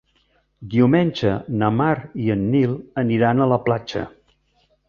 Diumenge na Mar i en Nil aniran a la platja.